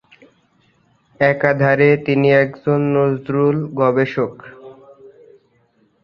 একাধারে তিনি একজন নজরুল গবেষক।